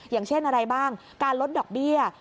อย่างเช่นอะไรบ้างการลดดอกเบี้ย